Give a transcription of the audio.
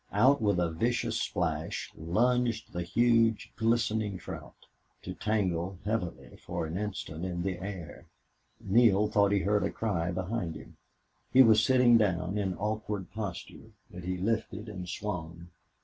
Out with a vicious splash lunged the huge, glistening trout, to dangle heavily for an instant in the air. Neale thought he heard a cry behind him. He was sitting down, in awkward posture. But he lifted and swung.